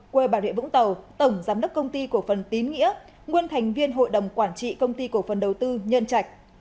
quê bà rịa vũng tàu tổng giám đốc công ty cổ phần tín nghĩa nguyên thành viên hội đồng quản trị công ty cổ phần đầu tư nhân trạch